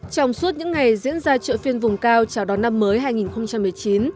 trong suốt những ngày diễn ra chợ phiên vùng cao chào đón năm mới hai nghìn một mươi chín